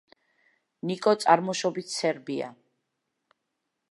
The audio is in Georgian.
ნიკო წარმოშობით სერბია.